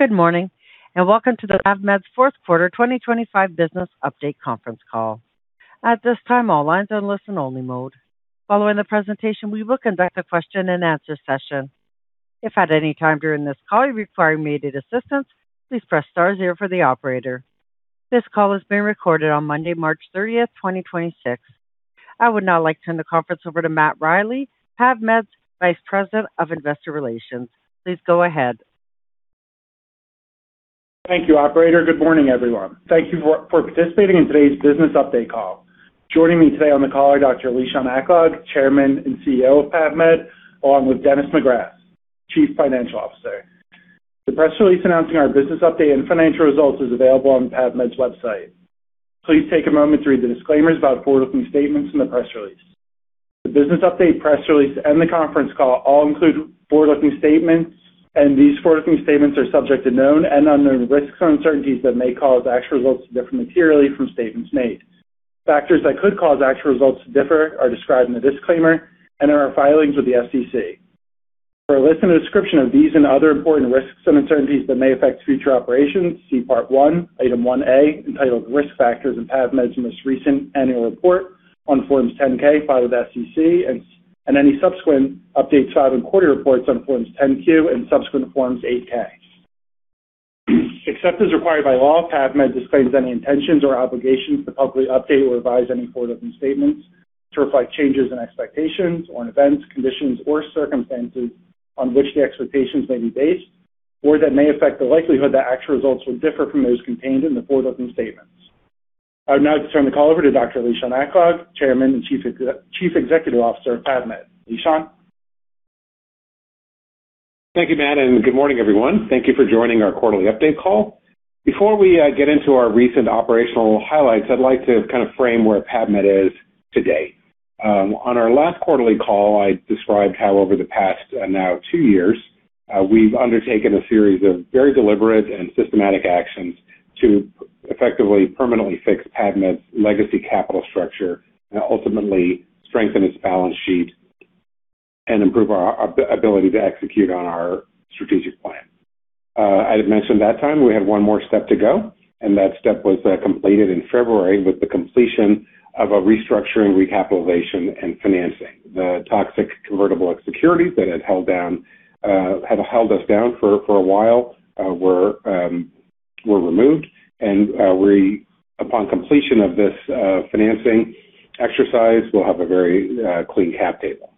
Good morning, and welcome to PAVmed's fourth quarter 2025 business update conference call. At this time, all lines are in listen-only mode. Following the presentation, we will conduct a question and answer session. If at any time during this call you require immediate assistance, please press star zero for the operator. This call is being recorded on Monday, March 30, 2026. I would now like to turn the conference over to Matt Riley, PAVmed's Vice President of Investor Relations. Please go ahead. Thank you, operator. Good morning, everyone. Thank you for participating in today's business update call. Joining me today on the call are Dr. Lishan Aklog, Chairman and CEO of PAVmed, along with Dennis McGrath, Chief Financial Officer. The press release announcing our business update and financial results is available on PAVmed's website. Please take a moment to read the disclaimers about forward-looking statements in the press release. The business update press release and the conference call all include forward-looking statements, and these forward-looking statements are subject to known and unknown risks and uncertainties that may cause actual results to differ materially from statements made. Factors that could cause actual results to differ are described in the disclaimer and in our filings with the SEC. For a list and a description of these and other important risks and uncertainties that may affect future operations, see Part One, Item 1A, entitled Risk Factors in PAVmed's most recent annual report on Form 10-K filed with the SEC and any subsequent updates filed in quarterly reports on Form 10-Q and subsequent Form 8-Ks. Except as required by law, PAVmed disclaims any intentions or obligations to publicly update or revise any forward-looking statements to reflect changes in expectations or in events, conditions, or circumstances on which the expectations may be based or that may affect the likelihood that actual results will differ from those contained in the forward-looking statements. I would now like to turn the call over to Dr. Lishan Aklog, Chairman and Chief Executive Officer of PAVmed. Lishan. Thank you, Matt, and good morning, everyone. Thank you for joining our quarterly update call. Before we get into our recent operational highlights, I'd like to kind of frame where PAVmed is today. On our last quarterly call, I described how over the past now two years, we've undertaken a series of very deliberate and systematic actions to effectively permanently fix PAVmed's legacy capital structure and ultimately strengthen its balance sheet and improve our ability to execute on our strategic plan. I had mentioned at that time we had one more step to go, and that step was completed in February with the completion of a restructuring, recapitalization, and financing. The toxic convertible securities that had held us down for a while were removed, and we, upon completion of this financing exercise, we'll have a very clean cap table.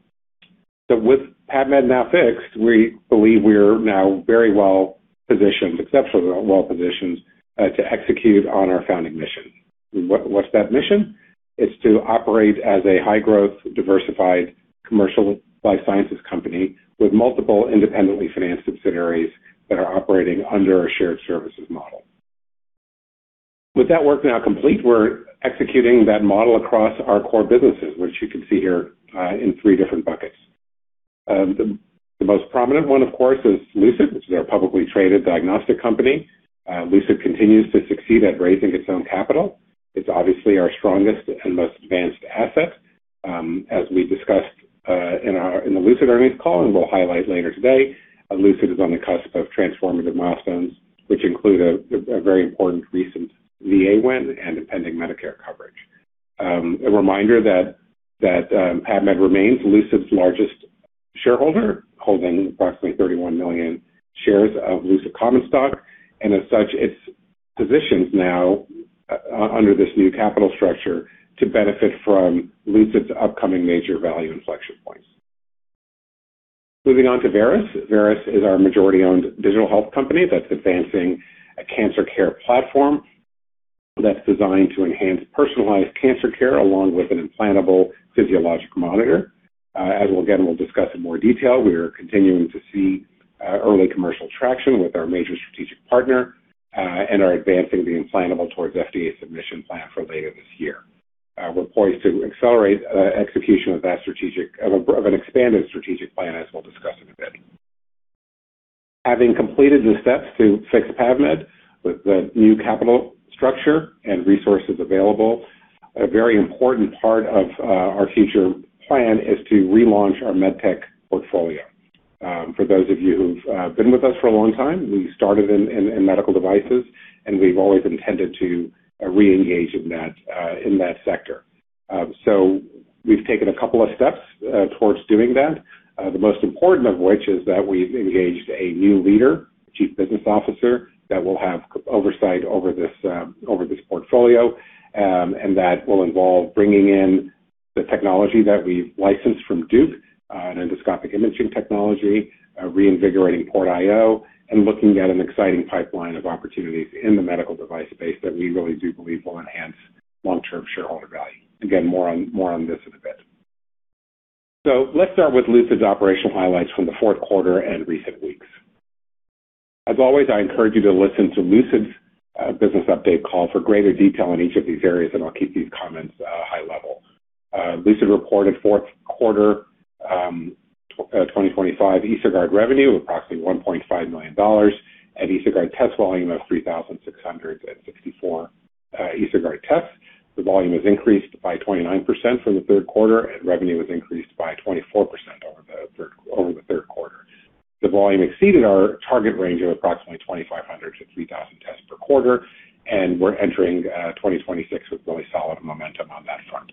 With PAVmed now fixed, we believe we're now very well-positioned, exceptionally well-positioned to execute on our founding mission. What's that mission? It's to operate as a high-growth, diversified commercial life sciences company with multiple independently financed subsidiaries that are operating under a shared services model. With that work now complete, we're executing that model across our core businesses, which you can see here in three different buckets. The most prominent one, of course, is Lucid, which is our publicly traded diagnostic company. Lucid continues to succeed at raising its own capital. It's obviously our strongest and most advanced asset. As we discussed in the Lucid earnings call and we'll highlight later today, Lucid is on the cusp of transformative milestones, which include a very important recent VA win and a pending Medicare coverage. A reminder that PAVmed remains Lucid's largest shareholder, holding approximately 31 million shares of Lucid common stock, and as such, it's positioned now under this new capital structure to benefit from Lucid's upcoming major value inflection points. Moving on to Veris. Veris is our majority-owned digital health company that's advancing a cancer care platform that's designed to enhance personalized cancer care, along with an implantable physiological monitor. As again we'll discuss in more detail, we are continuing to see early commercial traction with our major strategic partner and are advancing the implantable towards FDA submission plan for later this year. We're poised to accelerate execution of an expanded strategic plan, as we'll discuss in a bit. Having completed the steps to fix PAVmed with the new capital structure and resources available, a very important part of our future plan is to relaunch our MedTech portfolio. For those of you who've been with us for a long time, we started in medical devices, and we've always intended to reengage in that sector. We've taken a couple of steps towards doing that, the most important of which is that we've engaged a new leader, Chief Business Officer, that will have oversight over this portfolio, and that will involve bringing in the technology that we've licensed from Duke, an endoscopic imaging technology, reinvigorating PortIO, and looking at an exciting pipeline of opportunities in the medical device space that we really do believe will enhance long-term shareholder value. Again, more on this in a bit. Let's start with Lucid's operational highlights from the fourth quarter and recent weeks. As always, I encourage you to listen to Lucid's business update call for greater detail on each of these areas, and I'll keep these comments high level. Lucid reported fourth quarter 2025 EsoGuard revenue of approximately $1.5 million and EsoGuard test volume of 3,664 EsoGuard tests. The volume was increased by 29% from the third quarter, and revenue was increased by 24% over the third quarter. The volume exceeded our target range of approximately 2,500-3,000 tests per quarter, and we're entering 2026 with really solid momentum on that front.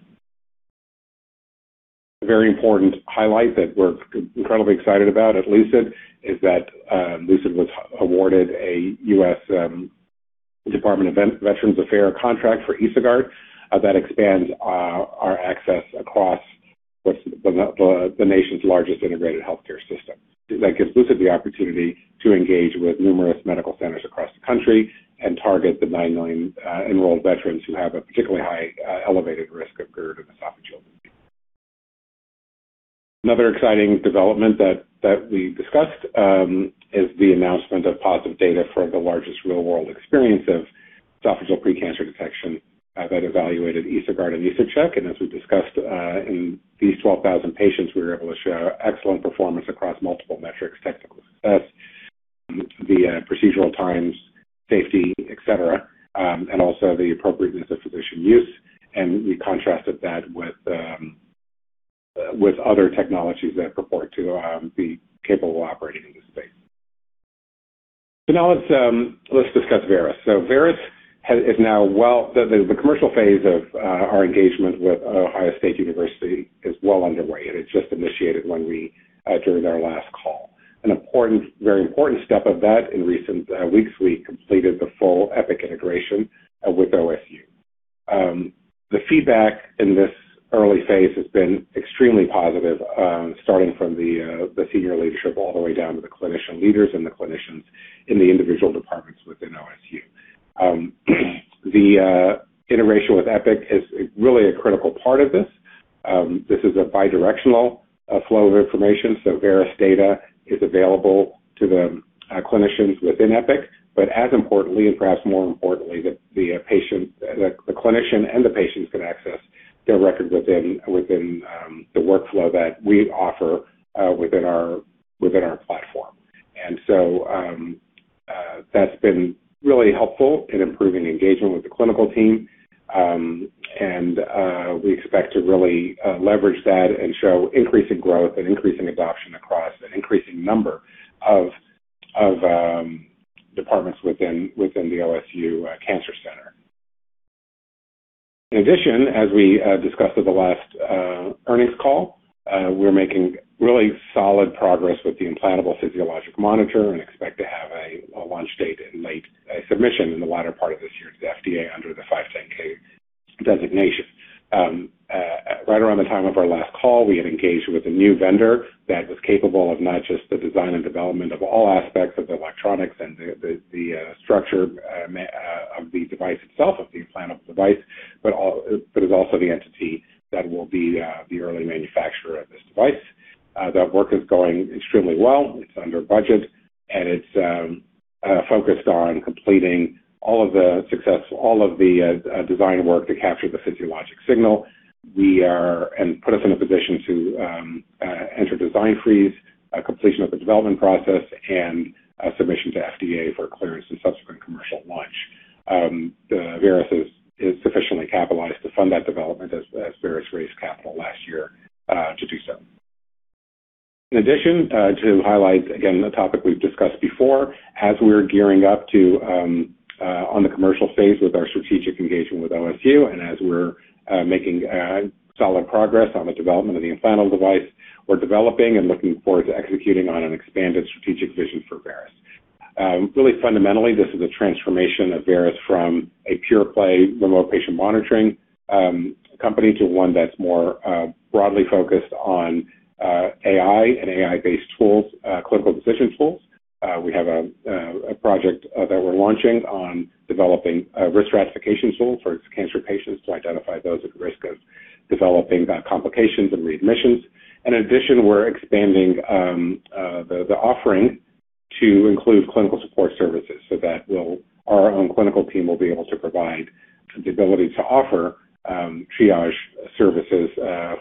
A very important highlight that we're incredibly excited about at Lucid is that Lucid was awarded a U.S. Department of Veterans Affairs contract for EsoGuard that expands our access across the nation's largest integrated healthcare system. That gives Lucid the opportunity to engage with numerous medical centers across the country and target the 9 million enrolled veterans who have a particularly high, elevated risk of gastroesophageal cancer. Another exciting development that we discussed is the announcement of positive data from the largest real-world experience of esophageal pre-cancer detection that evaluated EsoGuard and EsoCheck. As we discussed, in these 12,000 patients, we were able to show excellent performance across multiple metrics, technical success, the procedural times, safety, et cetera, and also the appropriateness of physician use. We contrasted that with other technologies that purport to be capable of operating in this space. Now let's discuss Veris. Veris has... The commercial phase of our engagement with Ohio State University is well underway, and it just initiated during our last call. A very important step of that in recent weeks, we completed the full Epic integration with OSU. The feedback in this early phase has been extremely positive, starting from the senior leadership all the way down to the clinician leaders and the clinicians in the individual departments within OSU. The integration with Epic is really a critical part of this. This is a bi-directional flow of information, so Veris data is available to the clinicians within Epic. As importantly, and perhaps more importantly, the patient, the clinician and the patients can access their records within the workflow that we offer within our platform. That's been really helpful in improving engagement with the clinical team. We expect to really leverage that and show increasing growth and increasing adoption across an increasing number of departments within the OSU Cancer Center. In addition, as we discussed at the last earnings call, we're making really solid progress with the implantable physiological monitor and expect to have a submission in the latter part of this year to the FDA under the 510(k) designation. Right around the time of our last call, we had engaged with a new vendor that was capable of not just the design and development of all aspects of the electronics and the structure of the device itself of the implantable device, but is also the entity that will be the early manufacturer of this device. That work is going extremely well. It's under budget, and it's focused on completing all of the design work to capture the physiologic signal and put us in a position to enter design freeze, completion of the development process, and a submission to FDA for clearance and subsequent commercial launch. The Veris is sufficiently capitalized to fund that development as Veris raised capital last year to do so. In addition, to highlight again the topic we've discussed before, as we're gearing up to on the commercial phase with our strategic engagement with OSU, and as we're making solid progress on the development of the implantable device, we're developing and looking forward to executing on an expanded strategic vision for Veris. Really fundamentally, this is a transformation of Veris from a pure play remote patient monitoring company to one that's more broadly focused on AI and AI-based tools, clinical decision tools. We have a project that we're launching on developing a risk stratification tool for cancer patients to identify those at risk of developing complications and readmissions. In addition, we're expanding the offering to include clinical support services so that our own clinical team will be able to provide the ability to offer triage services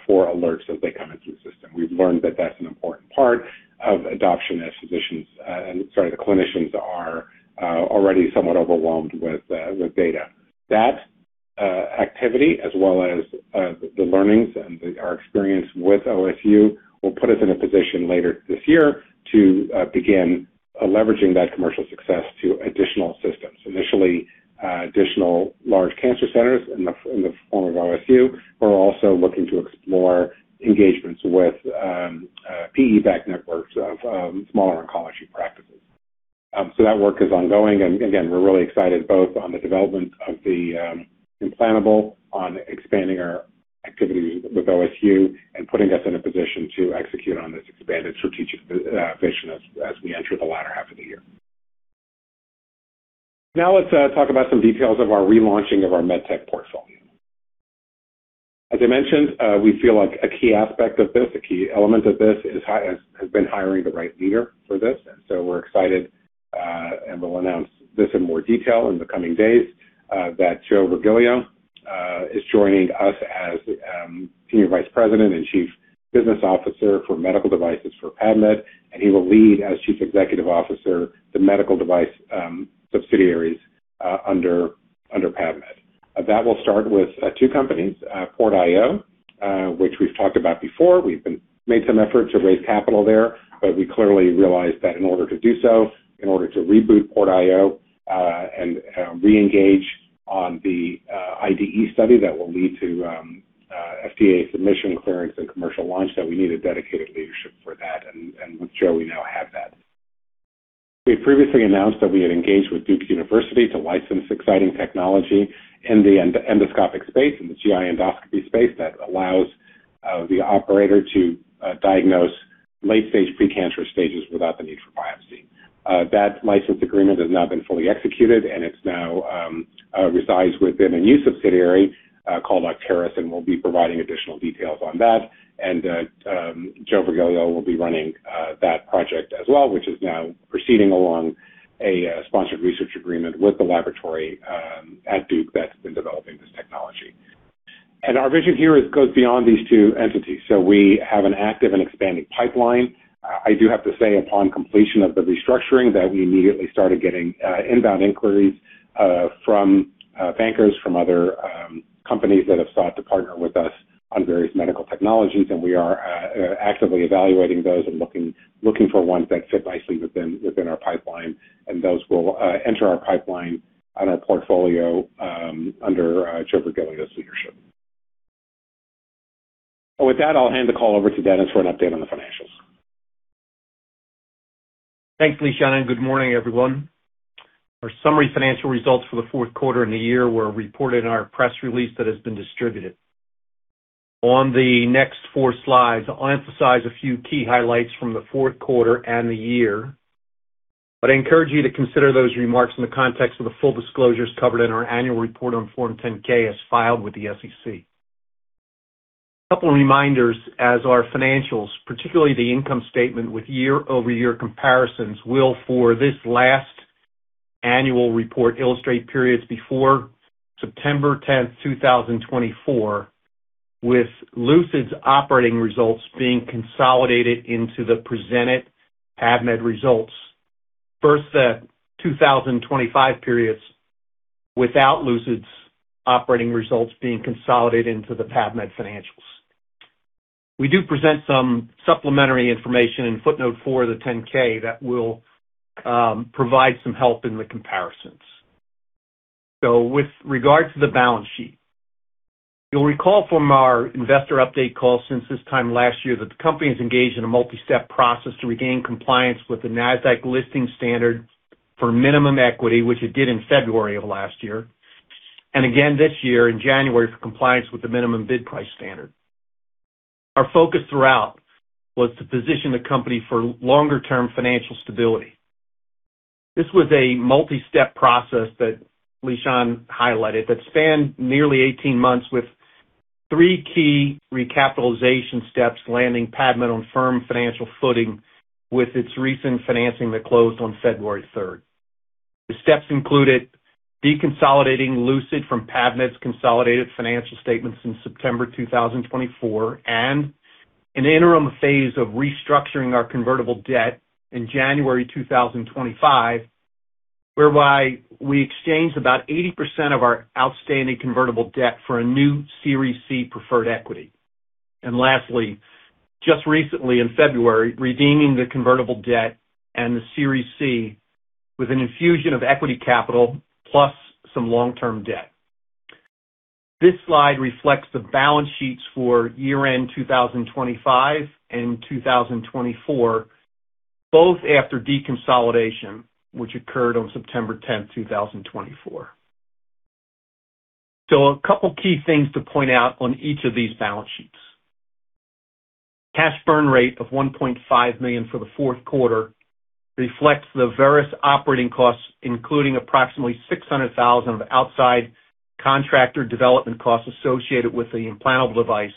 for alerts as they come into the system. We've learned that that's an important part of adoption as the clinicians are already somewhat overwhelmed with data. That activity as well as the learnings and our experience with OSU will put us in a position later this year to begin leveraging that commercial success to additional systems, initially additional large cancer centers in the form of OSU. We're also looking to explore engagements with PE-backed networks of smaller oncology practices. That work is ongoing. Again, we're really excited both on the development of the implantable, on expanding our activities with OSU and putting us in a position to execute on this expanded strategic vision as we enter the latter half of the year. Now let's talk about some details of our relaunching of our medtech portfolio. As I mentioned, we feel like a key aspect of this, a key element of this has been hiring the right leader for this. We're excited, and we'll announce this in more detail in the coming days that Joseph Virgilio is joining us as Senior Vice President and Chief Business Officer for medical devices for PAVmed, and he will lead as Chief Executive Officer the medical device subsidiaries under PAVmed. That will start with two companies, PortIO, which we've talked about before. We've made some effort to raise capital there, but we clearly realized that in order to do so, in order to reboot PortIO, and reengage on the IDE study that will lead to FDA submission clearance and commercial launch, that we need a dedicated leadership for that. With Joe, we now have that. We previously announced that we had engaged with Duke University to license exciting technology in the end-endoscopic space, in the GI endoscopy space that allows the operator to diagnose late stage precancerous stages without the need for biopsy. That license agreement has now been fully executed, and it now resides within a new subsidiary called Arcturus, and we'll be providing additional details on that. Joe Virgilio will be running that project as well, which is now proceeding along a sponsored research agreement with the laboratory at Duke that's been developing this technology. Our vision here goes beyond these two entities. We have an active and expanding pipeline. I do have to say, upon completion of the restructuring, that we immediately started getting inbound inquiries from bankers from other companies that have sought to partner with us on various medical technologies. We are actively evaluating those and looking for ones that fit nicely within our pipeline. Those will enter our pipeline and our portfolio under Joe Virgilio's leadership. With that, I'll hand the call over to Dennis for an update on the financials. Thanks, Lishan, and good morning, everyone. Our summary financial results for the fourth quarter and the year were reported in our press release that has been distributed. On the next four slides, I'll emphasize a few key highlights from the fourth quarter and the year, but I encourage you to consider those remarks in the context of the full disclosures covered in our annual report on Form 10-K as filed with the SEC. A couple of reminders as our financials, particularly the income statement with year-over-year comparisons, will, for this last annual report, illustrate periods before September 10, 2024, with Lucid's operating results being consolidated into the presented PAVmed results. First, the 2025 periods without Lucid's operating results being consolidated into the PAVmed financials. We do present some supplementary information in footnote 4 of the 10-K that will provide some help in the comparisons. With regard to the balance sheet, you'll recall from our investor update call since this time last year that the company is engaged in a multi-step process to regain compliance with the Nasdaq listing standard for minimum equity, which it did in February of last year, and again this year in January for compliance with the minimum bid price standard. Our focus throughout was to position the company for longer term financial stability. This was a multi-step process that Lishan highlighted that spanned nearly 18 months with 3 key recapitalization steps landing PAVmed on firm financial footing with its recent financing that closed on February 3. The steps included deconsolidating Lucid from PAVmed's consolidated financial statements in September 2024, and an interim phase of restructuring our convertible debt in January 2025, whereby we exchanged about 80% of our outstanding convertible debt for a new Series C preferred equity. Lastly, just recently in February, redeeming the convertible debt and the Series C with an infusion of equity capital plus some long-term debt. This slide reflects the balance sheets for year-end 2025 and 2024, both after deconsolidation, which occurred on September 10, 2024. A couple key things to point out on each of these balance sheets. Cash burn rate of $1.5 million for the fourth quarter reflects the Veris operating costs, including approximately $600,000 of outside contractor development costs associated with the implantable device,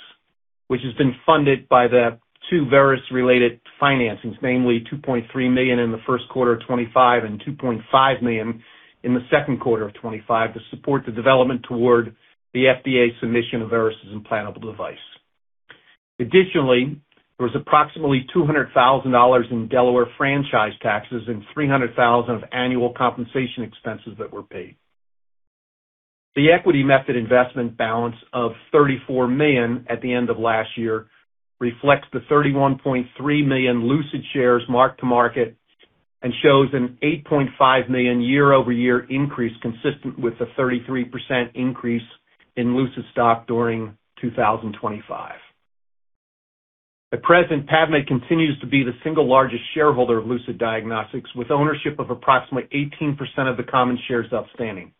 which has been funded by the two Veris related financings, namely $2.3 million in the first quarter of 2025 and $2.5 million in the second quarter of 2025 to support the development toward the FDA submission of Veris's implantable device. Additionally, there was approximately $200,000 in Delaware franchise taxes and $300,000 of annual compensation expenses that were paid. The equity method investment balance of $34 million at the end of last year reflects the $31.3 million Lucid shares mark-to-market and shows an $8.5 million year-over-year increase consistent with the 33% increase in Lucid stock during 2025. At present, PAVmed continues to be the single largest shareholder of Lucid Diagnostics, with ownership of approximately 18% of the common shares outstanding.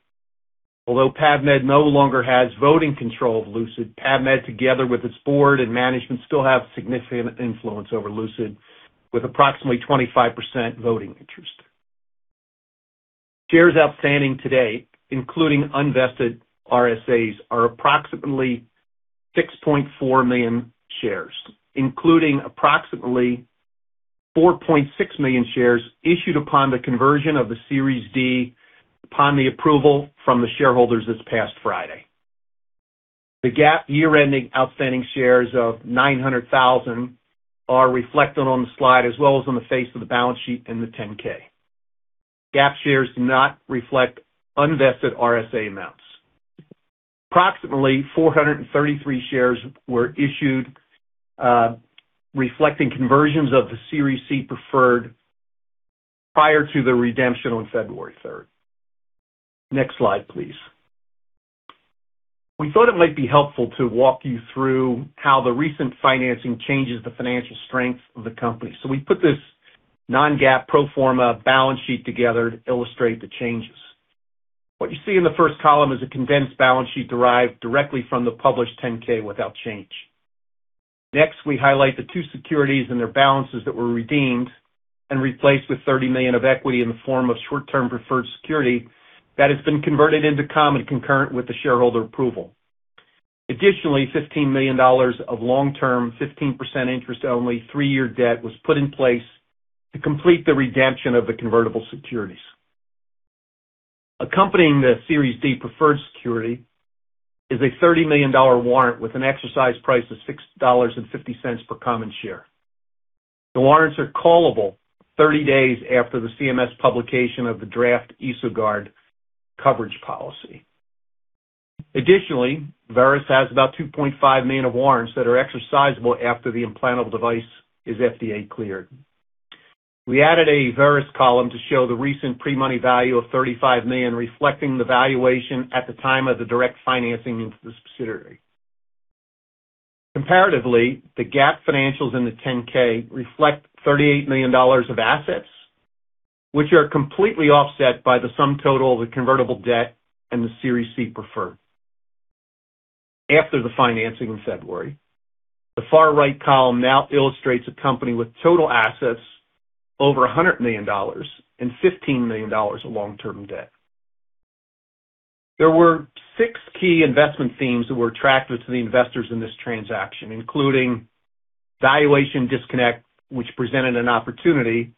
Although PAVmed no longer has voting control of Lucid, PAVmed, together with its board and management, still have significant influence over Lucid with approximately 25% voting interest. Shares outstanding today, including unvested RSAs, are approximately 6.4 million shares, including approximately 4.6 million shares issued upon the conversion of the Series D upon the approval from the shareholders this past Friday. The GAAP year-ending outstanding shares of 900,000 are reflected on the slide as well as on the face of the balance sheet in the 10-K. GAAP shares do not reflect unvested RSA amounts. Approximately 433 shares were issued, reflecting conversions of the Series C preferred prior to the redemption on February third. Next slide, please. We thought it might be helpful to walk you through how the recent financing changes the financial strength of the company. We put this non-GAAP pro forma balance sheet together to illustrate the changes. What you see in the first column is a condensed balance sheet derived directly from the published 10-K without change. Next, we highlight the two securities and their balances that were redeemed and replaced with $30 million of equity in the form of short-term preferred security that has been converted into common concurrent with the shareholder approval. Additionally, $15 million of long-term, 15% interest-only three-year debt was put in place to complete the redemption of the convertible securities. Accompanying the Series D preferred security is a $30 million warrant with an exercise price of $6.50 per common share. The warrants are callable 30 days after the CMS publication of the draft EsoGuard coverage policy. Additionally, Veris has about 2.5 million of warrants that are exercisable after the implantable device is FDA cleared. We added a Veris column to show the recent pre-money value of $35 million, reflecting the valuation at the time of the direct financing into the subsidiary. Comparatively, the GAAP financials in the 10-K reflect $38 million of assets, which are completely offset by the sum total of the convertible debt and the Series C preferred. After the financing in February, the far right column now illustrates a company with total assets over $100 million and $15 million of long-term debt. There were 6 key investment themes that were attractive to the investors in this transaction, including valuation disconnect, which presented an opportunity.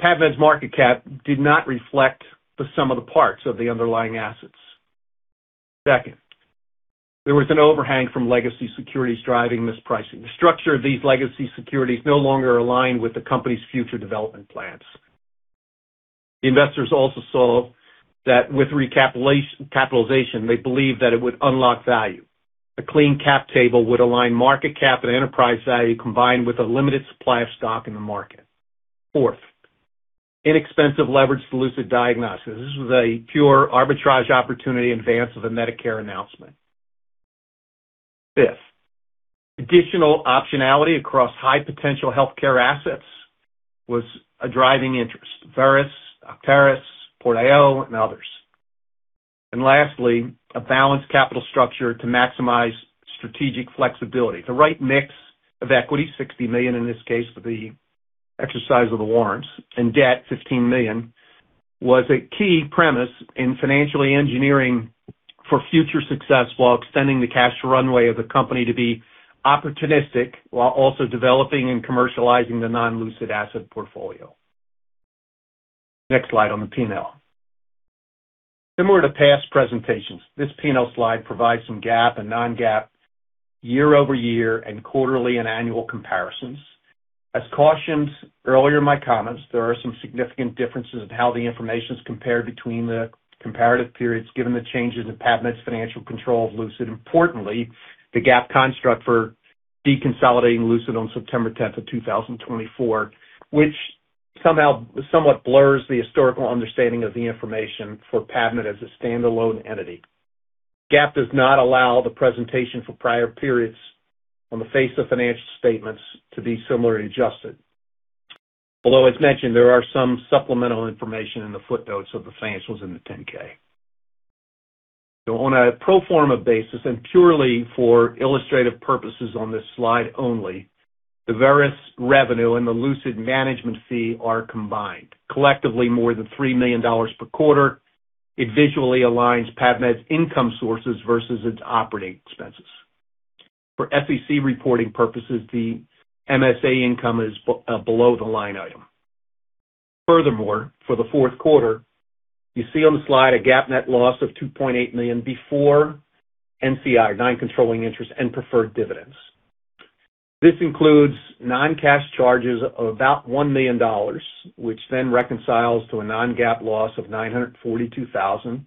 PAVmed's market cap did not reflect the sum of the parts of the underlying assets. Second, there was an overhang from legacy securities driving mispricing. The structure of these legacy securities no longer aligned with the company's future development plans. The investors also saw that with recapitalization, they believed that it would unlock value. A clean cap table would align market cap and enterprise value combined with a limited supply of stock in the market. Fourth, inexpensive leverage for Lucid Diagnostics. This was a pure arbitrage opportunity in advance of the Medicare announcement. Fifth, additional optionality across high potential healthcare assets was a driving interest. Verus, Actaris, PortIO and others. Lastly, a balanced capital structure to maximize strategic flexibility. The right mix of equity, $60 million in this case for the exercise of the warrants and debt, $15 million, was a key premise in financially engineering for future success while extending the cash runway of the company to be opportunistic while also developing and commercializing the non-Lucid asset portfolio. Next slide on the P&L. Similar to past presentations, this P&L slide provides some GAAP and non-GAAP year-over-year and quarterly and annual comparisons. As cautioned earlier in my comments, there are some significant differences in how the information is compared between the comparative periods given the changes in PAVmed's financial control of Lucid. Importantly, the GAAP construct for deconsolidating Lucid on September 10, 2024, which somehow somewhat blurs the historical understanding of the information for PAVmed as a standalone entity. GAAP does not allow the presentation for prior periods on the face of financial statements to be similarly adjusted. Although as mentioned, there are some supplemental information in the footnotes of the financials in the 10-K. On a pro forma basis and purely for illustrative purposes on this slide only, the Veris revenue and the Lucid management fee are combined. Collectively more than $3 million per quarter. It visually aligns PAVmed's income sources versus its operating expenses. For SEC reporting purposes, the MSA income is below the line item. Furthermore, for the fourth quarter, you see on the slide a GAAP net loss of $2.8 million before NCI, non-controlling interest, and preferred dividends. This includes non-cash charges of about $1 million, which then reconciles to a non-GAAP loss of $942,000.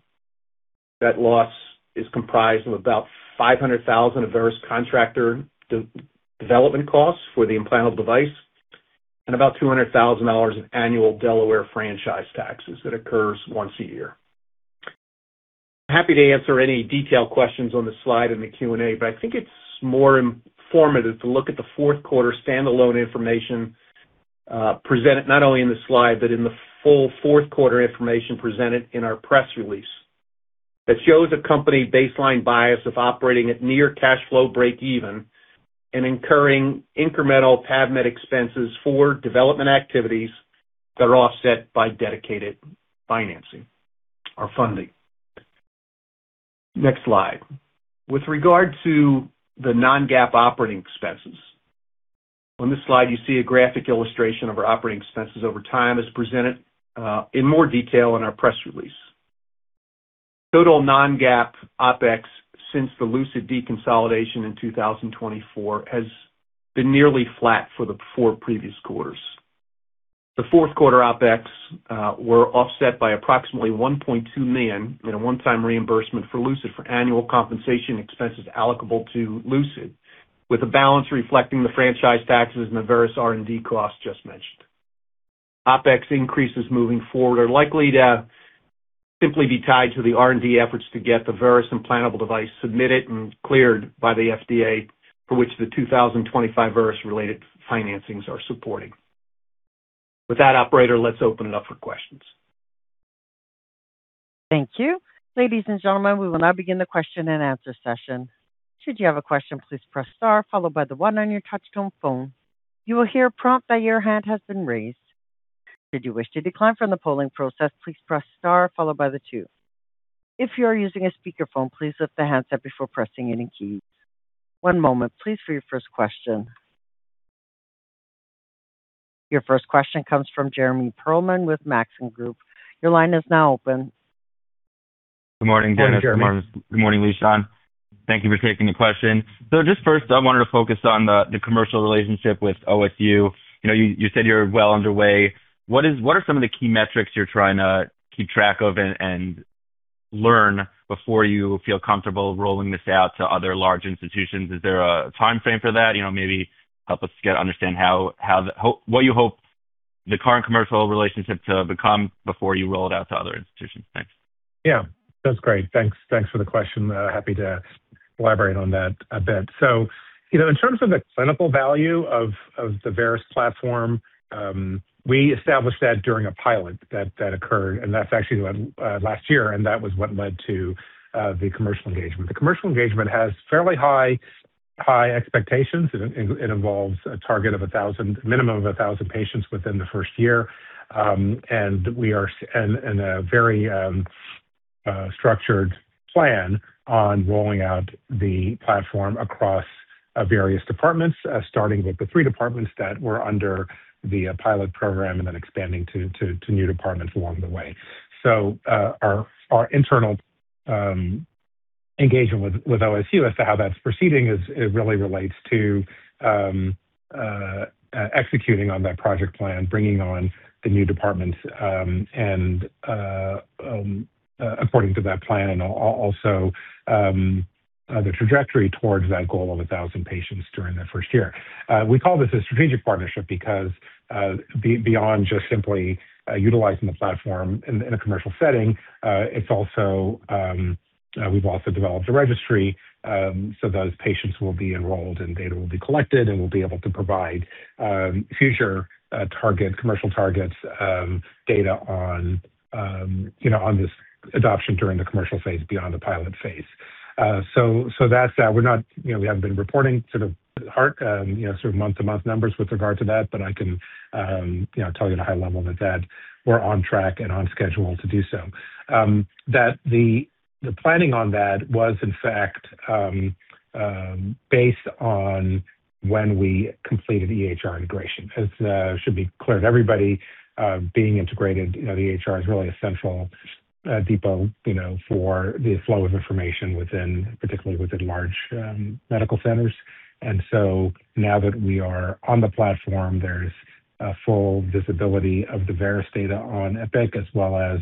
That loss is comprised of about $500,000 of various contractor R&D development costs for the implantable device and about $200,000 in annual Delaware franchise taxes that occurs once a year. I'm happy to answer any detailed questions on this slide in the Q&A, but I think it's more informative to look at the fourth quarter standalone information presented not only in the slide but in the full fourth quarter information presented in our press release. That shows a company baseline basis of operating at near cash flow breakeven and incurring incremental PAVmed expenses for development activities that are offset by dedicated financing or funding. Next slide. With regard to the non-GAAP operating expenses. On this slide, you see a graphic illustration of our operating expenses over time as presented in more detail in our press release. Total non-GAAP OpEx since the Lucid deconsolidation in 2024 has been nearly flat for the four previous quarters. The fourth quarter OpEx were offset by approximately $1.2 million in a one-time reimbursement for Lucid for annual compensation expenses applicable to Lucid, with the balance reflecting the franchise taxes and the Veris R&D costs just mentioned. OpEx increases moving forward are likely to simply be tied to the R&D efforts to get the Veris implantable device submitted and cleared by the FDA, for which the 2025 Veris-related financings are supporting. With that, operator, let's open it up for questions. Thank you. Ladies and gentlemen, we will now begin the question and answer session. Should you have a question, please press star followed by the one on your touchtone phone. You will hear a prompt that your hand has been raised. Should you wish to decline from the polling process, please press star followed by the two. If you are using a speakerphone, please lift the handset before pressing any keys. One moment please for your first question. Your first question comes from Jeremy Pearlman with Maxim Group. Your line is now open. Good morning, Dennis. Morning, Jeremy. Good morning, Lishan. Thank you for taking the question. Just first, I wanted to focus on the commercial relationship with OSU. You know, you said you're well underway. What are some of the key metrics you're trying to keep track of and learn before you feel comfortable rolling this out to other large institutions? Is there a timeframe for that? You know, maybe help us understand how what you hope the current commercial relationship to become before you roll it out to other institutions. Thanks. Yeah. That's great. Thanks for the question. Happy to elaborate on that a bit. You know, in terms of the clinical value of the Veris platform, we established that during a pilot that occurred, and that's actually when last year, and that was what led to the commercial engagement. The commercial engagement has fairly high expectations. It involves a target of 1,000, minimum of 1,000 patients within the first year, and a very structured plan on rolling out the platform across various departments, starting with the 3 departments that were under the pilot program and then expanding to new departments along the way. Our internal engagement with OSU as to how that's proceeding. It really relates to executing on that project plan, bringing on the new departments, and according to that plan and also the trajectory towards that goal of 1,000 patients during the first year. We call this a strategic partnership because beyond just simply utilizing the platform in a commercial setting, it's also, we've also developed a registry, so those patients will be enrolled and data will be collected, and we'll be able to provide future target commercial targets data on you know on this adoption during the commercial phase beyond the pilot phase. That's that. We're not, you know, we haven't been reporting sort of hard, you know, sort of month-to-month numbers with regard to that, but I can, you know, tell you at a high level that we're on track and on schedule to do so. That the planning on that was in fact based on when we completed EHR integration. As should be clear to everybody, being integrated, you know, the EHR is really a central depot, you know, for the flow of information within, particularly within large medical centers. Now that we are on the platform, there's a full visibility of the Veris data on Epic as well as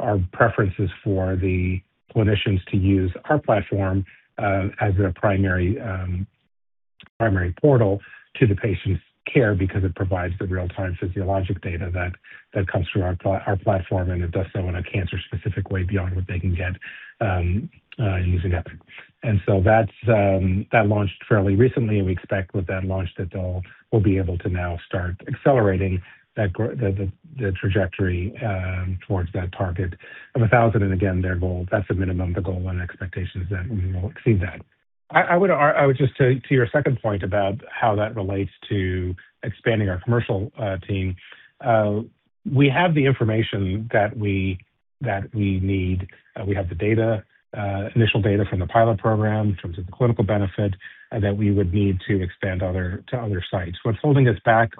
our preferences for the clinicians to use our platform as their primary portal to the patient's care because it provides the real-time physiological data that comes through our platform, and it does so in a cancer-specific way beyond what they can get using Epic. That launched fairly recently, and we expect with that launch that we'll be able to now start accelerating the trajectory towards that target of 1,000. Again, their goal, that's the minimum, the goal and expectations that we will exceed that. I would just add to your second point about how that relates to expanding our commercial team. We have the information that we need. We have the data, initial data from the pilot program in terms of the clinical benefit that we would need to expand to other sites. What's holding us back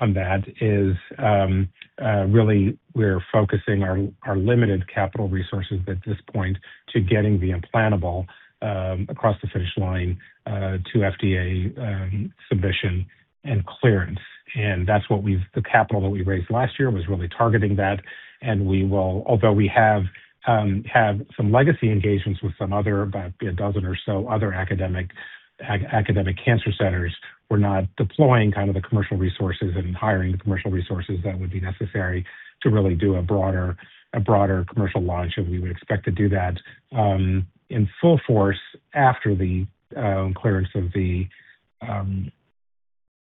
on that is really we're focusing our limited capital resources at this point to getting the implantable across the finish line to FDA submission and clearance. That's what the capital that we raised last year was really targeting that. Although we have some legacy engagements with some other, about a dozen or so other academic cancer centers, we're not deploying kind of the commercial resources and hiring the commercial resources that would be necessary to really do a broader commercial launch. We would expect to do that in full force after the clearance of the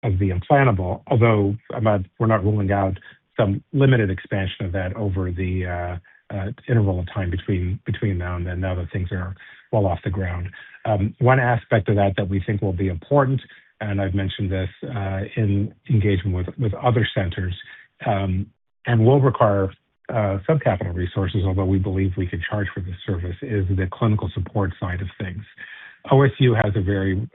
implantable. Although we're not ruling out some limited expansion of that over the interval of time between now and then now that things are well off the ground. One aspect of that that we think will be important, and I've mentioned this in engagement with other centers, and will require substantial resources, although we believe we can charge for this service, is the clinical support side of things. OSU has a very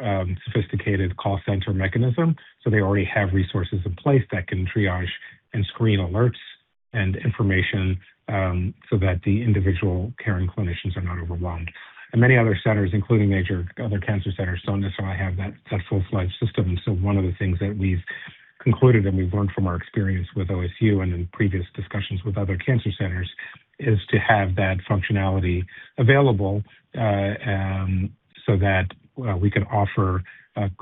sophisticated call center mechanism, so they already have resources in place that can triage and screen alerts and information so that the individual caring clinicians are not overwhelmed. Many other centers, including major other cancer centers, and so on, and so they have that full-fledged system. One of the things that we've concluded and we've learned from our experience with OSU and in previous discussions with other cancer centers is to have that functionality available so that we can offer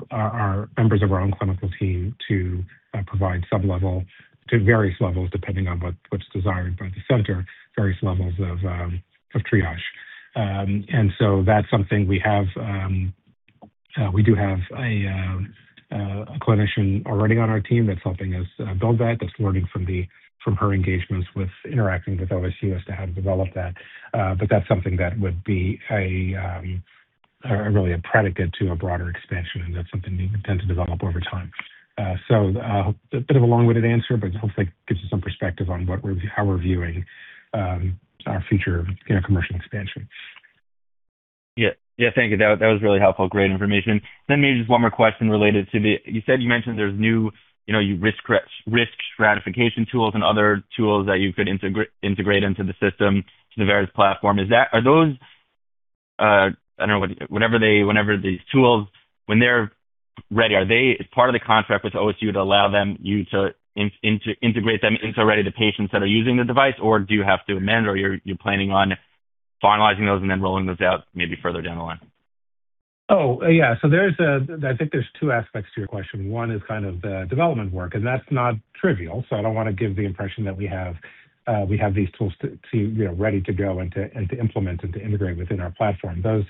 our members of our own clinical team to provide sub-level to various levels, depending on what's desired by the center, various levels of triage. That's something we do have a clinician already on our team that's helping us build that's learning from her engagements with interacting with OSU as to how to develop that. That's something that would be a really a predicate to a broader expansion, and that's something we intend to develop over time. A bit of a long-winded answer, but hopefully it gives you some perspective on how we're viewing our future commercial expansion. Yeah. Yeah, thank you. That was really helpful. Great information. Maybe just one more question related to the. You said you mentioned there's new risk stratification tools and other tools that you could integrate into the system, to the Verus platform. Are those. Whenever these tools, when they're ready, are they part of the contract with OSU to allow them you to integrate them into already the patients that are using the device, or do you have to amend, or you're planning on finalizing those and then rolling those out maybe further down the line? Oh, yeah. There's, I think there's two aspects to your question. One is kind of the development work, and that's not trivial. I don't want to give the impression that we have we have these tools to you know ready to go and to implement and to integrate within our platform. Those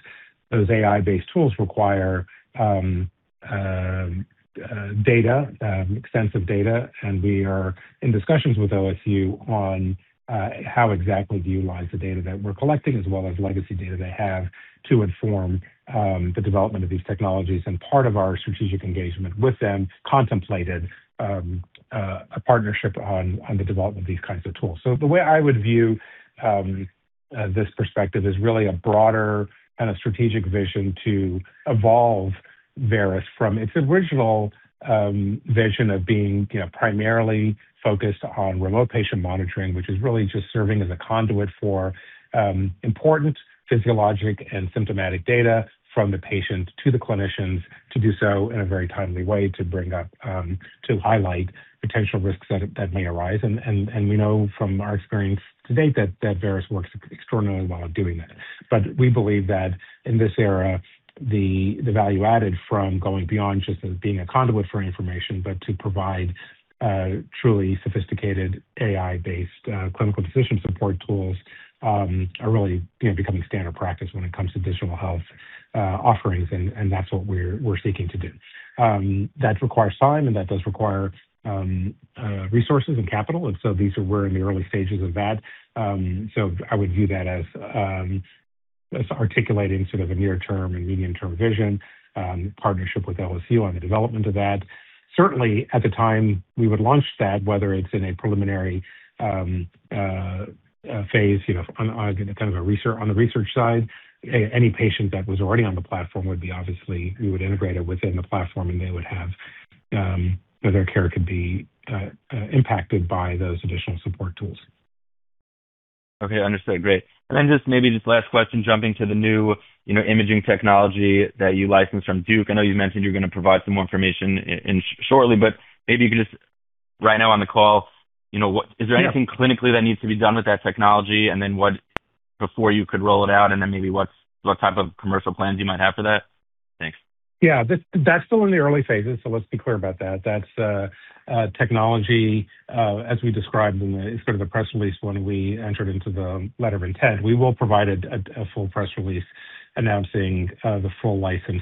AI-based tools require data, extensive data. We are in discussions with OSU on how exactly to utilize the data that we're collecting as well as legacy data they have to inform the development of these technologies. Part of our strategic engagement with them contemplated a partnership on the development of these kinds of tools. The way I would view this perspective is really a broader kind of strategic vision to evolve Veris from its original vision of being, you know, primarily focused on remote patient monitoring, which is really just serving as a conduit for important physiological and symptomatic data from the patient to the clinicians to do so in a very timely way to bring up to highlight potential risks that may arise. We know from our experience to date that Veris works extraordinarily well at doing that. We believe that in this era, the value added from going beyond just being a conduit for information, but to provide truly sophisticated AI-based clinical decision support tools are really, you know, becoming standard practice when it comes to digital health offerings. That's what we're seeking to do. That requires time and resources and capital. We're in the early stages of that. I would view that as articulating sort of a near-term and medium-term vision, partnership with OSU on the development of that. Certainly, at the time we would launch that, whether it's in a preliminary phase, you know, on the research side, any patient that was already on the platform would be obviously we would integrate it within the platform and they would have or their care could be impacted by those additional support tools. Okay. Understood. Great. Just maybe just last question, jumping to the new, you know, imaging technology that you licensed from Duke. I know you mentioned you're gonna provide some more information in shortly, but maybe you can just right now on the call, you know, what- Yeah. Is there anything clinically that needs to be done with that technology? Before you could roll it out, and then maybe what type of commercial plans you might have for that? Thanks. Yeah. That's still in the early phases, so let's be clear about that. That's a technology as we described in sort of the press release when we entered into the letter of intent. We will provide a full press release announcing the full license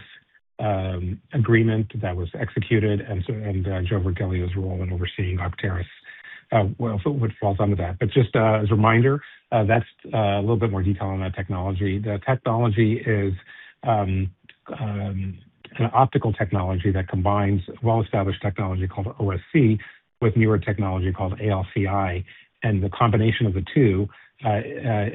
agreement that was executed and Joe Virgilio's role in overseeing Arcteris, well, what falls under that. Just as a reminder, that's a little bit more detail on that technology. The technology is an optical technology that combines well-established technology called OSC with newer technology called a/LCI. The combination of the two,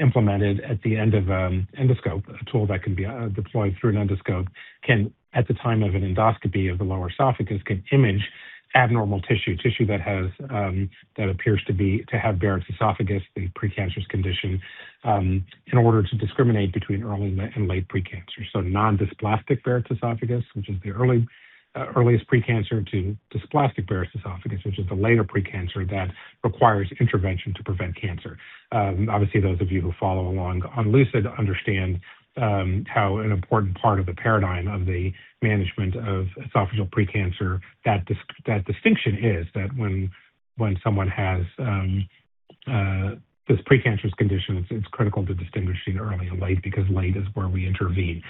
implemented at the end of an endoscope, a tool that can be deployed through an endoscope, can, at the time of an endoscopy of the lower esophagus, can image abnormal tissue that has that appears to have Barrett's esophagus, the precancerous condition, in order to discriminate between early and late precancer. Non-dysplastic Barrett's esophagus, which is the early, earliest precancer, to Dysplastic Barrett's esophagus, which is the later precancer that requires intervention to prevent cancer. Obviously, those of you who follow along on Lucid understand how important a part of the paradigm of the management of esophageal precancer that that distinction is, that when someone has this precancerous condition, it's critical to distinguishing early and late because late is where we intervene.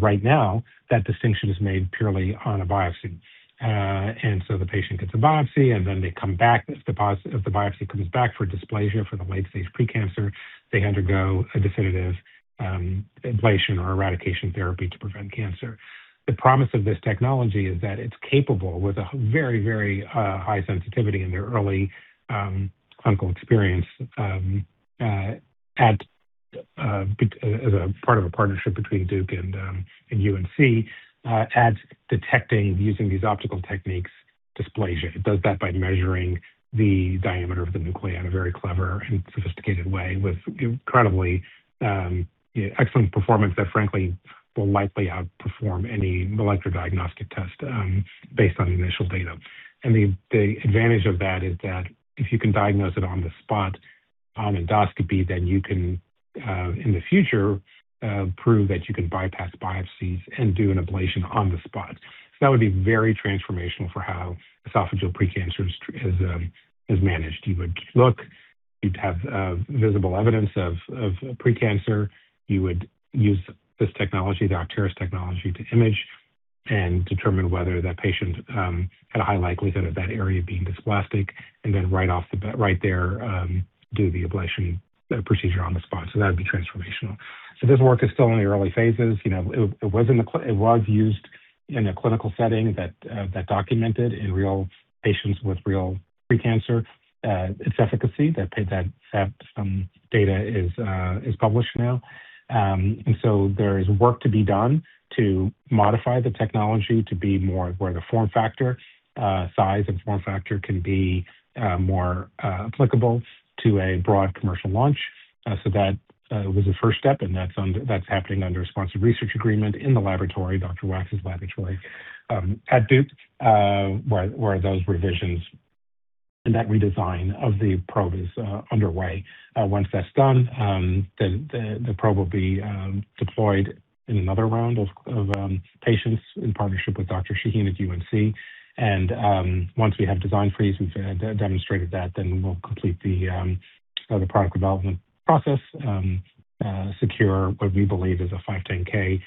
Right now, that distinction is made purely on a biopsy. The patient gets a biopsy, and then they come back. If the biopsy comes back for dysplasia for the late-stage precancer, they undergo a definitive ablation or eradication therapy to prevent cancer. The promise of this technology is that it's capable with a very high sensitivity in their early clinical experience as a part of a partnership between Duke and UNC, aids detecting using these optical techniques dysplasia. It does that by measuring the diameter of the nuclei in a very clever and sophisticated way with incredibly excellent performance that, frankly, will likely outperform any molecular diagnostic test based on initial data. The advantage of that is that if you can diagnose it on the spot, endoscopy, then you can in the future prove that you can bypass biopsies and do an ablation on the spot. That would be very transformational for how esophageal pre-cancer is managed. You would look, you'd have visible evidence of pre-cancer. You would use this technology, the Arcteris technology, to image and determine whether that patient had a high likelihood of that area being dysplastic and then right off the bat, right there, do the ablation, the procedure on the spot. That'd be transformational. This work is still in the early phases. You know, it was used in a clinical setting that documented in real patients with real pre-cancer its efficacy. That data is published now. There is work to be done to modify the technology to be more where the form factor, size and form factor can be more applicable to a broad commercial launch. That was the first step, and that's happening under a sponsored research agreement in the laboratory, Dr. Wax's laboratory, at Duke, where those revisions and that redesign of the probe is underway. Once that's done, the probe will be deployed in another round of patients in partnership with Dr. Shaheen at UNC. Once we have design freeze and have demonstrated that, then we'll complete the product development process, secure what we believe is a 510(k)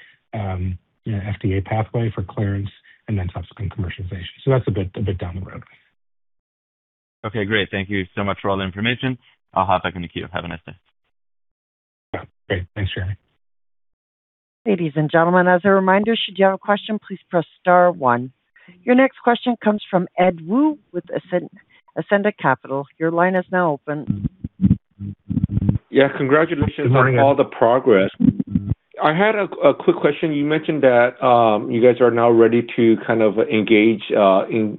FDA pathway for clearance and then subsequent commercialization. That's a bit down the road. Okay, great. Thank you so much for all the information. I'll hop back on the queue. Have a nice day. Yeah. Great. Thanks, Jeremy. Ladies and gentlemen, as a reminder, should you have a question, please press star one. Your next question comes from Ed Woo with Ascendiant Capital Markets. Your line is now open. Yeah. Congratulations. Good morning, Ed. on all the progress. I had a quick question. You mentioned that you guys are now ready to kind of engage in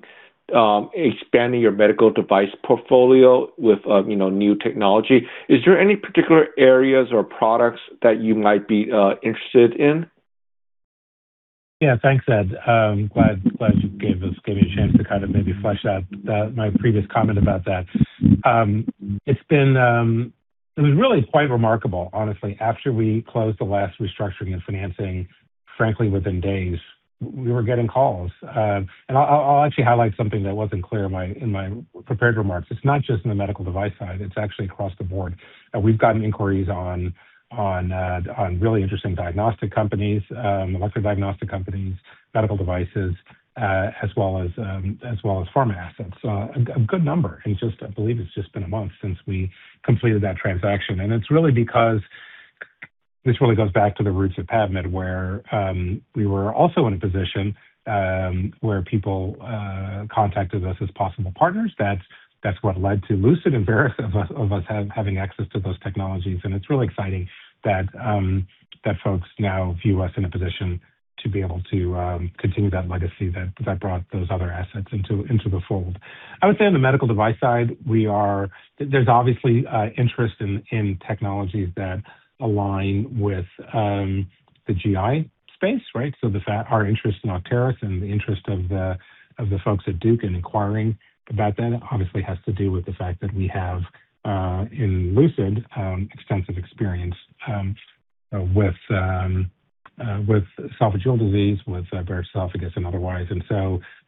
expanding your medical device portfolio with you know new technology. Is there any particular areas or products that you might be interested in? Yeah. Thanks, Ed. I'm glad you gave me a chance to kind of maybe flesh out my previous comment about that. It was really quite remarkable, honestly. After we closed the last restructuring and financing, frankly, within days, we were getting calls. I'll actually highlight something that wasn't clear in my prepared remarks. It's not just in the medical device side, it's actually across the board. We've gotten inquiries on really interesting diagnostic companies, electrodiagnostic companies, medical devices, as well as pharma assets. A good number in just, I believe it's just been a month since we completed that transaction. It's really because this really goes back to the roots of PAVmed, where we were also in a position where people contacted us as possible partners. That's what led to Lucid and Veris as well as us having access to those technologies. It's really exciting that folks now view us in a position to be able to continue that legacy that brought those other assets into the fold. I would say on the medical device side, we are. There's obviously interest in technologies that align with the GI space, right? Our interest in Octeris and the interest of the folks at Duke in inquiring about that obviously has to do with the fact that we have in Lucid extensive experience with esophageal disease, with Barrett's esophagus and otherwise.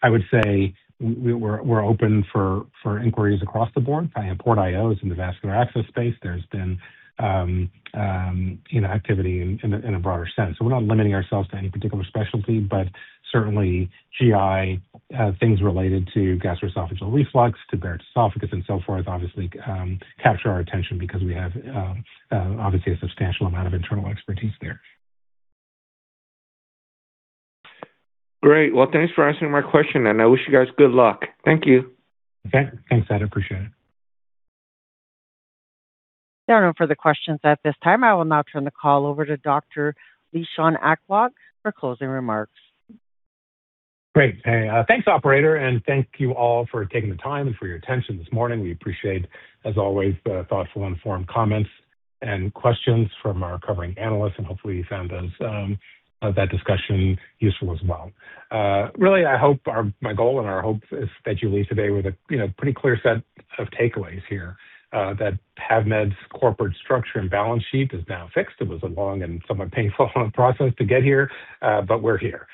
I would say we're open for inquiries across the board. I mean, PortIO is in the vascular access space. There's been you know, activity in a broader sense. We're not limiting ourselves to any particular specialty, but certainly GI things related to gastroesophageal reflux, to Barrett's esophagus and so forth obviously capture our attention because we have obviously a substantial amount of internal expertise there. Great. Well, thanks for answering my question, and I wish you guys good luck. Thank you. Okay. Thanks, Ed. Appreciate it. There are no further questions at this time. I will now turn the call over to Dr. Lishan Aklog for closing remarks. Great. Hey, thanks, operator, and thank you all for taking the time and for your attention this morning. We appreciate, as always, the thoughtful, informed comments and questions from our covering analysts, and hopefully you found our discussion useful as well. Really, I hope my goal and our hope is that you leave today with a, you know, pretty clear set of takeaways here, that PAVmed's corporate structure and balance sheet is now fixed. It was a long and somewhat painful process to get here, but we're here.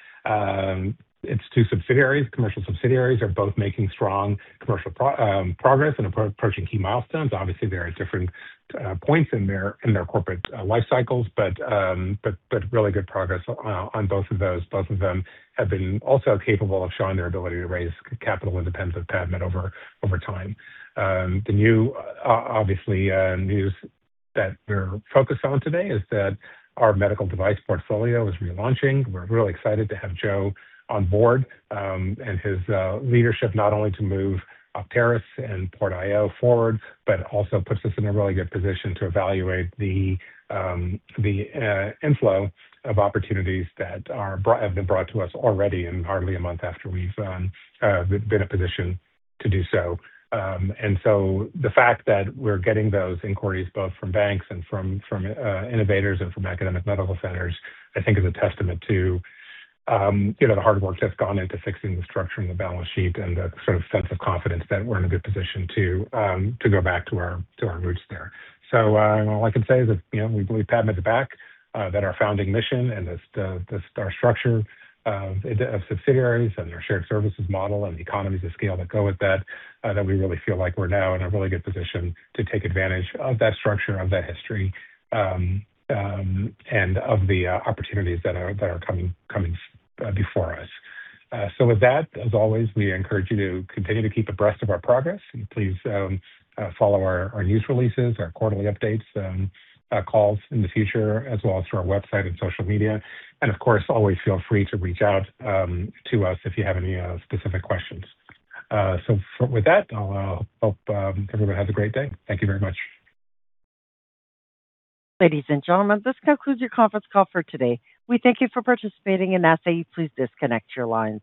Its two subsidiaries, commercial subsidiaries are both making strong commercial progress and approaching key milestones. Obviously, they're at different points in their corporate life cycles, but really good progress on both of those. Both of them have been also capable of showing their ability to raise capital independent of PAVmed over time. The news, obviously, that we're focused on today is that our medical device portfolio is relaunching. We're really excited to have Joe on board, and his leadership not only to move CarpX and PortIO forward, but also puts us in a really good position to evaluate the inflow of opportunities that have been brought to us already in hardly a month after we've been in a position to do so. The fact that we're getting those inquiries both from banks and from innovators and from academic medical centers, I think is a testament to you know the hard work that's gone into fixing the structure and the balance sheet and the sort of sense of confidence that we're in a good position to go back to our roots there. All I can say is that you know we believe PAVmed's back that our founding mission and this the star structure of subsidiaries and their shared services model and the economies of scale that go with that that we really feel like we're now in a really good position to take advantage of that structure of that history and of the opportunities that are coming before us. With that, as always, we encourage you to continue to keep abreast of our progress. Please, follow our news releases, our quarterly updates, calls in the future, as well as through our website and social media. Of course, always feel free to reach out to us if you have any specific questions. With that, I'll hope everyone has a great day. Thank you very much. Ladies and gentlemen, this concludes your conference call for today. We thank you for participating and ask that you please disconnect your lines.